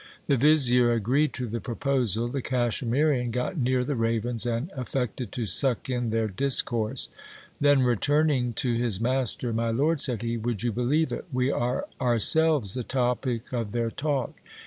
The vizier agreed to the proposal. The Cachemirian got near the ravens, and affected to suck in their discourse. Then, returning to his master, My lord, said he, would you believe it ? We are ourselves the topic of their talk.